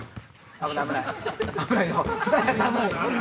危ないよ。